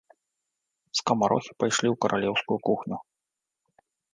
Скамарохі пайшлі ў каралеўскую кухню.